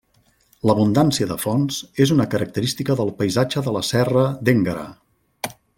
L'abundància de fonts és una característica del paisatge de la serra d'Énguera.